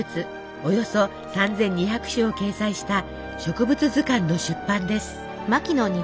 およそ３，２００種を掲載した植物図鑑の出版です。